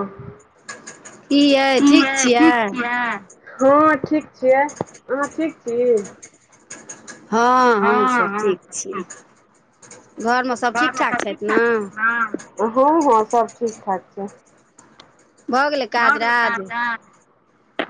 क ठीकियै हँ ठीक छियै अहाँ ठीक छी। हँ हम सभ ठीक छी घरमे सभ ठीक ठाक छथि ने हँ हँ सभ ठीक ठाक छै। भऽ गेल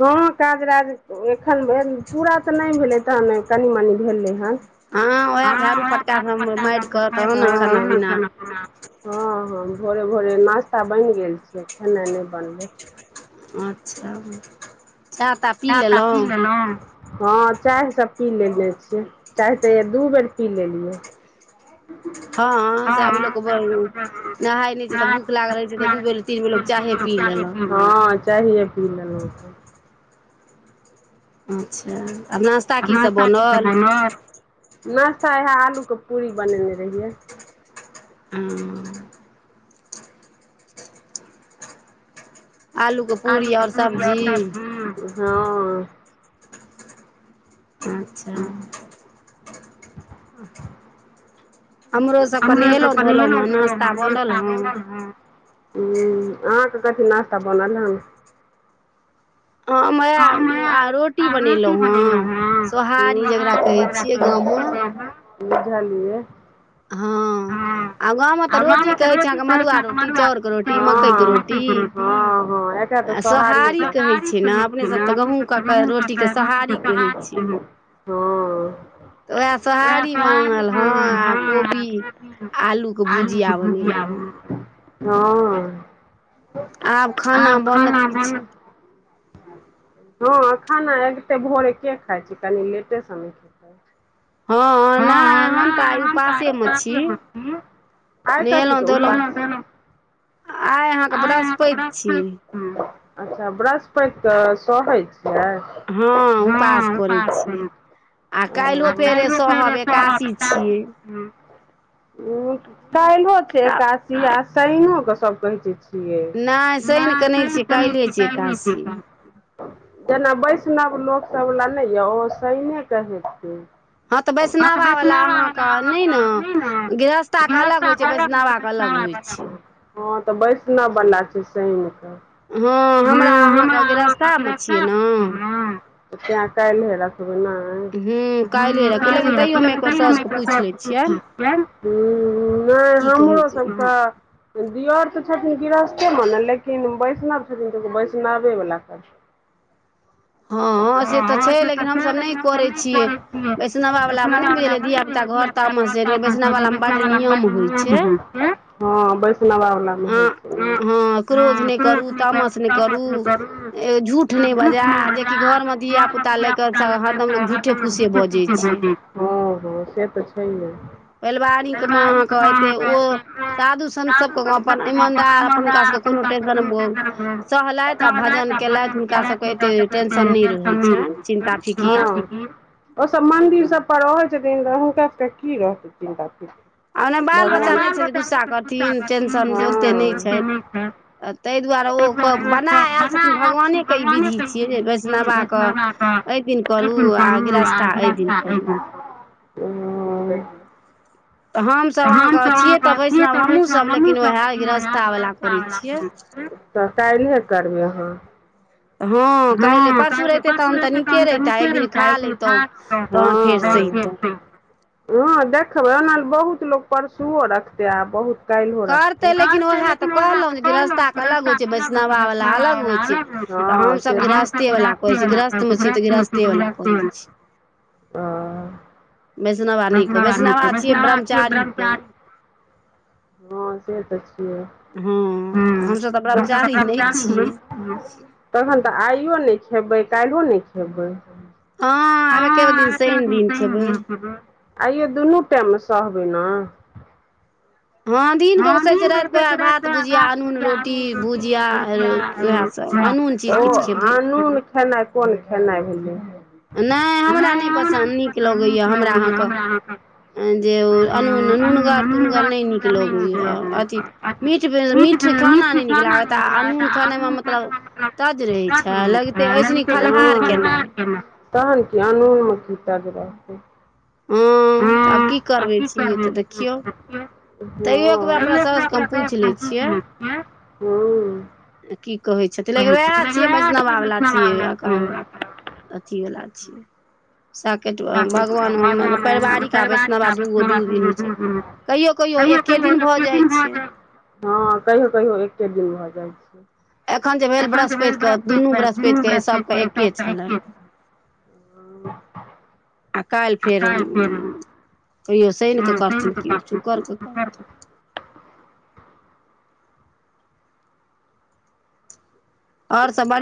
हँ काज राज एखन भेल पूरा तऽ नहि भेलै तखन कनि मनि भेलै ह हँ उएह झाड़ू फटका मारि कऽ तहन ने खाना पीना ह ह भोरे भोरे नास्ता बनि गेल छै खेनाइ नहि बनबै अच्छा चह त चाह तह पि लेलहुँ ह चाय सभ पी लेने छियै चाय तऽ दू बेर पी लेलियै ह तबी लोक ब नहाय नहि छै तऽ भूख लागल रहै छै त दू बेर तीन बेर लोको चाहे पी लेलक हँ चाहि पी लेलहु अच्छा आब नाश्ता कि सभ बनल नाश्ता इएह आलू के पूरी बनेने रहियै हू आलूकेसूरी आओर सब्जी ह अच्छा। हमरा त पनीरो भेलै ह नाश्ता भेलै हे ह अहाँकेँ कथी नाश्ता बनल हन हम रोटी बनेलहूँ हे सोहारी जकरा कहे छी ई य [unintelligible] ह हा हा कर कहै छैर तऽ सोहारि। रोट के सोहारी है ओ तऽ उएह सोहारी बनल हँ आ कोबी आलू के भुजिया बनेलहुँ हे [inaudible] ह आब खाना बनत किछु। ह खाना एगते भोर एके खाइ छी कनि लेटे सम ख हँ टाइम कि होती आयत आइ अहाँकेँ बृहस्पति छी ह अच्छा ब्रस्पति तऽ सहै छियै हँ उपस केने छिये आ काएलो फेर सहब दाल्हि छै एकासी आ शइनोके सभ कहै छै च तऽ नहि। जेना वैष्णव लोकसभ नहि यऽ ओ सइनो कऽ हेतै हँ तऽ वैष्णवा वाला अहाँकेँ नहि ने गृहस्था के अलग होइत छै वैष्णवाे अलग होइ छै छै हँ तऽ बैष्ण वाला छै शैन कऽ हँ हमरा अहाँकेँ गरस्ता मे हँ हँ तै कैलहे रखबै न [unintelligible] हू नै हमरो सभके दिअर त छथिन गृहस्थेमे ने लेकिन वैष्णव छथिन तऽ बैष्णवे वला करथिन। ह से तऽ छै लेकिन हमस नहि करे छियै वैष्णवा वाला मे नै बुझलियै धियापुता घर तामस चैरगे से बैष्ण वाला मे बड़ नियम होइ छै आ हँ क्रोध नहि करू तामस नहि करू झूठ नहि बजार। [unintelligible] हेलो पैलवारिक मे अहाँकेँ एते ओ साधु सँ सभके अपन ईमानदार अपन हुनका सभके कोनो टेशन, सहलैथ आ भजन केलैथ हुनका सभके एते [unintelligible] ओसब मन्दिर सभ पर रहै छथिन तऽ हुनका सभके की रहतै चिन्ता फिर आ ने बाल बच्चा नहि छैन जे गुस्सा करथिन टेशन ओतेक नहि छैन। ते दुआरे ओ बना आयल छथिन भगवाने तै ई विधि छियै जे वैष्णवा कऽ और दिन करू आ गिरस्ता अइदिन करू [unintelligible] तऽ हम सभ अहाँकेँ छियै तऽ बैष्णव हमही सभ लेकिन वस्था हेबाक चाही त कइरये करबै अहाँ हँ कैले परसू रहिते तहन त नीके रहितै एक दिन खा लितहुँ तहन फेर सैइतहुँ [inaudible] ह देखबै ओना बहुत लोक परसुओ रखतै आब बहुत कालो रखतै, करतै लेकिन वहै त कहलौ अलग हेतै बैष्णवा वला अलग [unintelligible] बैष्णवा नै छियै बैष्णवा छियै ब्रह्मचारी। हँ से तऽ छियै, हँ तखन त आइयो नै खेबै कैल्हो नै खेबै हँ [unintelligible] आइयो दुनू टाइम मे सहबै ने हँ दिनकऽ सहै छियै रातिके वैह भात भुजिया अनून रोटी भुजिया उहे सभ अनून चीज किछ खेबै [unintelligible] कोन खेनाइ भेलैहन। नै हमरा नै पसन्द नीक लगैए हमरा अहाँकेँ अ जे अनून नूनगर तूनगार नहि न लगैयऽ अथी मीठ मीठ खाना नहि नीक लागत अनून खेनाइ मे मतलब तज लहे छै लगते ऐसनी फलहार केनाइ। तहन कि अनुना कि तज रहतै। ह आ कि करहे बे तैयो एकबेर अपना सौस कऽ एक बेर हम पूछि लै छियै जे कि कहै छथिन लेकिन उएह छियै वैष्नवा वला छियै अथि वला छियै साक भगवान हम पारिवारि क आ वैष्णवा दूऐ दुदिन होइ छै तैयो कहियौ एके दिन भऽ जाइ छै। ह कहियो कहियो एके दिन भ जाइ छैय अखन भेल बृहस्पैत कऽ दुनु ब्रस्पैत कऽ सभटा एके दिन आ काल्हि फेर कहिओ शनिकऽ करथिन केओ शुकर कऽ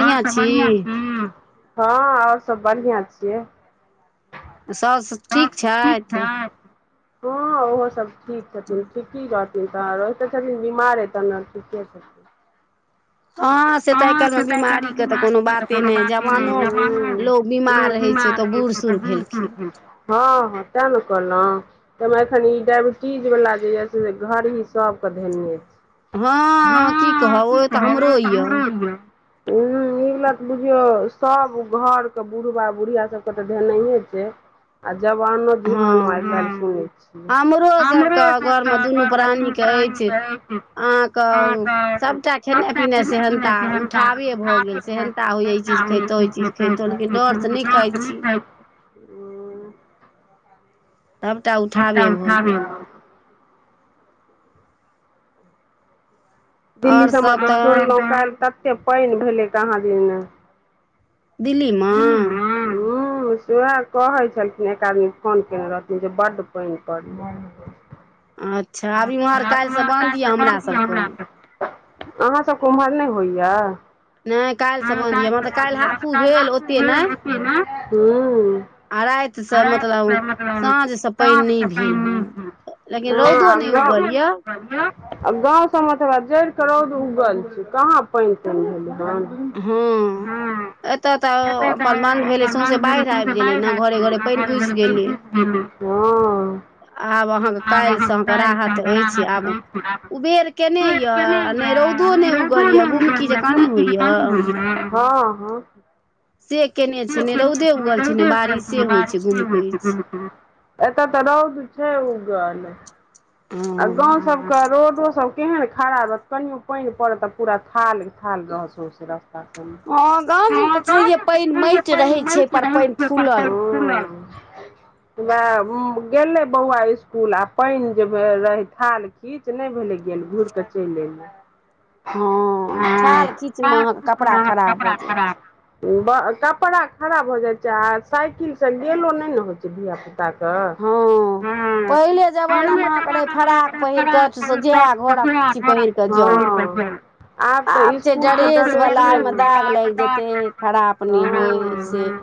आरु सभ बढ़िआ छी - हँ आरु सभ बढ़िआ छियै साउस ठीक छैथ। हँ ओहो सभ ठीक छथिन। ठीक कि रहथिन त रहिते छथिन बीमारे तहन ठीके छथिन हॅंआ से त आइ काइल मे बीमारी के कोनो बाते नहि जवानो लोग बीमार रहे छै ओ त बुढ़ सुढ़ भेल हँ हँ ते ने कहलौ तमे एखन ई डायइबिटीज बला जे य से घर मे सभकअ धेने हँआ कि कहब ओ त हमरो य [unintelligible] हूॅं इलक बुझियौ सभ घर के बुढ़बा बुढ़िया सभके त धेनैहे छै आ जबानो। विहानो आय काइल सुनै छियै हमरो कतअ घर दुनु परानी अछे। अहाॅं कऽ उ सभटा खेनाय पिनाय सेहनता उठाबे भऽ गेल, सेहनता होइय इ चीज खैतौ इ चीज खैतौ लेकिन डर स नय खाय इक छै सभटा उठाबे भऽ गेल दिल्ली सभमे त सुनलौ काइल तते पाइन भेलै कहाँ दिन दिल्ली दिल्ली मे हूॅं सेहे कहै छलखिन एक आदमी फोन कइने रहथिन जे बड़ पाइन परलै अच्छा अभी इम्हर काइल सँ बन्द य हमरा सभके अहाँ सभ के ओम्हर नइ होइय अहाॅं काइल स परसु अइबै, त काइल लास्ट मे भीर हेतै न हूॅंऊॅं आइ राइत सँ मतलब, काम खतम लेकिन रौदो नय उगल या हेलौ गाव से मतलब जइर क रौद उगल छै कहाॅं पाइन ताइन भेलै हन हूॅं एतअ त अपन बन्द भेलै सौसे बाढ़ि आबि गेलै नै घरे घरे पाइन घुइस गेलै ह आब अहाँ के काइल सँ बड़ा हाथ अछि आब उबेर केने या ने रौदो ने उग कहलिय गुमकि जका नय होइय ह ह धे तोरी के नै रौदे होय छै, बारिसे होय छै केनी केनी। एतअ तऽ रौद छै उगल ऐ आ गाव सभके रोडो सभ केहन खराब, केनियो पाइन परत त पूरा थाले थाल रहत। यूसटाप अखन हा गाव मे ताई जे नै के रहै छै पर पाइन फुलल छै हूॅं वोएह उ गेलै बौवा स्कूल आ पाइन भेलै थाल खीच नहि भेले गेल, घुर के चइल एलय ह खाल खीच महक कपड़ा खराप भऽ जाय छै कपड़ा खराप भ जाय छै आ साइकिल सँ गेलो नै ने होइत छै धियापुता ताकअ हूॅं देह मे ओत रहै फराक पहिर कऽ एत स जेहे घर आबै छी पहिर क जाॅंउ आब तऽ स्कूल के ड्रेस ह ह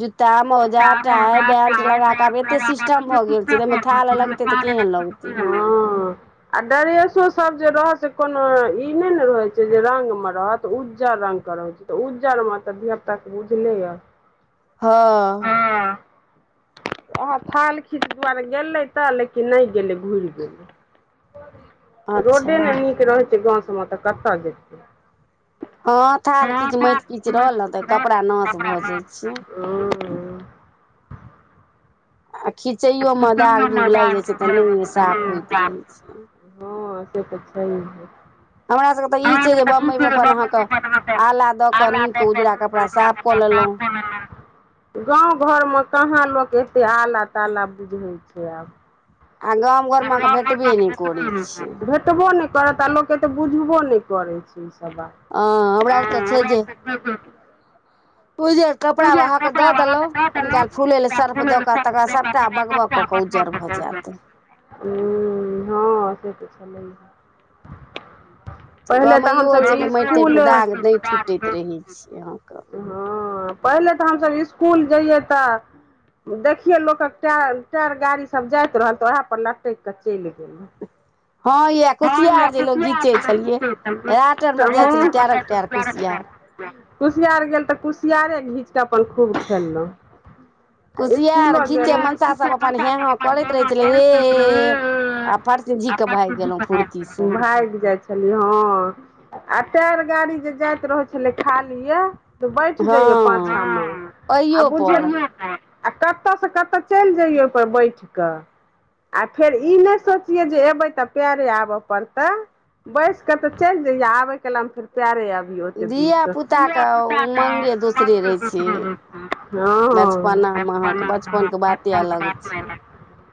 जूतता मौजा टाय बेल्ट लगा कऽ आब एते सिस्टम भऽ गेल छै तै म थाल लगते तऽ केहन लग [unintelligible] [inaudible] आ डरेसो सब जे रहत से कोनो इ नै न रहे छै जे रंग म रहत उज्जर रंग त रंग - त उज्जर मऽ तऽ धिया पुता कऽ बुझले य [inaudible] हँ ओहै थाल खीच दुआरे गेलै तऽ लेकिन नहि गेलै घुर गेलै [inaudible] रोडे नै नीक रहै छै गाँव सभमे तऽ कतय जेतै [inaudible] हँ थाल किच माट किच रहल नऽ तऽ कपड़ा नश भऽ जाय छ [inaudible] [inaudible] आ खीचै [unintelligible] हँ से तऽ छै हे हमरा सभ केँ तऽ ई छै जे बम्बईमे अपन अहाँकेँ आला दऽ कऽ नीक उजरा कपड़ा साफ कऽ लेलैं गाँव घर म कहाँ लोक एतेक आला ताला बुझैत छै आब आ गाम घरमे अहाँ कऽ भेटबे नै करै छै टबो नै करत आ लोक ऐत बुझबो नै करै छै [unintelligible] उऽ जे कपड़ा अहाँकेँ दऽ देलै कनि काल फूलय लए सर्फ दऽ कऽ तकर बाद सभटा बगबग कऽ कऽ उज्जर भऽ जैत हू हँ से तऽ छलै है [inaudible] पहिले तऽ हमसभ इसकुल [unintelligible] पहिले तऽ हमस इसकुल जइयै तऽ देखि यै लोक कऽ टाय टायर गाड़ी सब जाइत रहल तऽ ओएह पर लटैक कऽ चैल गेलू हँ यऽ कुसियार जे लोग घीचे छलियै रटन मऽ जाइ छलै टैर कऽ टैर कुसियार कुसियार गेल तऽ कुसियारे घीच कऽ अपन खूब खेनौ [unintelligible] [unintelligible] भाइग जाइ छली हँ आ टैर गाड़ी जे जाइत रहे छलै खाली यऽ तऽ बैठ जाइया पाछाँमे [unintelligible] आ कतऽ सँ कतऽ चैल जइयै ओइपर बैठ कऽ आ फेर ई नहि सोचियै जे एयबै तब पैरे आब पड़तै बैस कऽ तऽ चैल जाइये आबै कला म फेर पैरे आब आयै ओते दूर स धिया पुता केँ उमंगे दोसरे रहै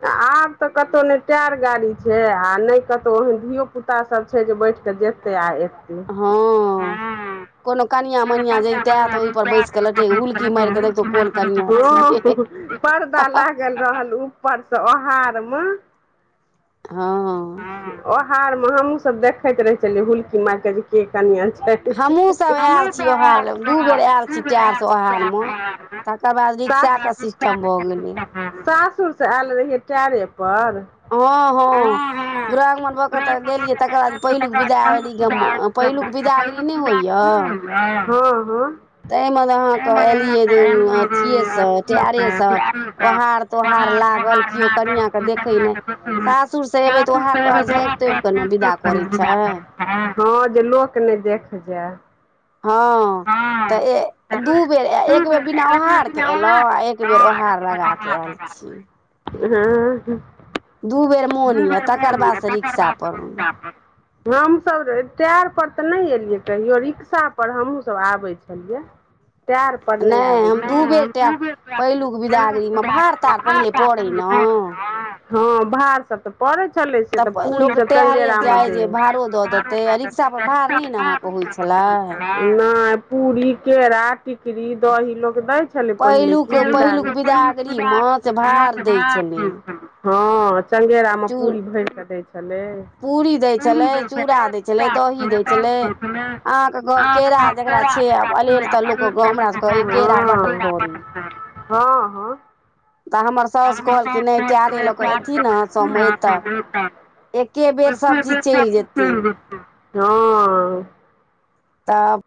[unintelligible] आब तऽ कतै नै टैर गाड़ी छै आ नहि कतौ ओहन धियो पुता सब छै जे बैठ कऽ जेतै आ एत हँ कोनो कनिआ मनिया जैता तऽ ओहिपर बैस कऽ लेटे हुलकी माइर कऽ देखतौ कोन कनिआँ छियै पर्दा लागल रहल ऊपरसँ ओहारम हँ हँ ओहार म हमूँ सब देखैत रहे छलियै हुलकी माइर कऽ जे केँ कनिया छै [unintelligible] सा सासुर से आयल रहियै चारे पर ह ह दुवरांगमन भऽ के त गेलिये तकर बाद पहिलुक बिदा गे पहिलु कऽ बिदा गेलिये नहि होइया। ह ह म प [unintelligible] पहार कहार नै कह ह, जे लोक नहि देख जाय। हा तऽ दू बेर, एक बेर बिना ओहार के एलहु, आ एक बेर ओहार लगा कऽ आयल। अछि हू दू बेर मोन यऽ, तकर बाद से रिक्शा पर हम सभ रइ टायर पर तऽ नहि एलियै कहियो रिक्शा पर हमहूँ सभ आबै छलियै। चायर पर नहि आबै नहि हम दू बेर पुजार हर। हँ भार सभ तऽ पड़ै छलै से तऽ पूरी सब चडगेरामे देब। भारो द देथिन न। ओ होइ छलैय। नै पूरी केला टिकड़री दही लोक दै छलै पहिले कऽ, पहलुक विदागरी मे नोत भात दय छलै, हाँ, चडगेरा म। मे पूरी भरी कऽ दय छलै, पूरी देय छलै, चूड़ा देय छलै, दही देय छलै। ह ह ह त हमर सास कहलखिन, कि नै टायर लऽ कऽ एथिन न। समय तऽ एके बेर सभ चीज चलि जेतै ह तब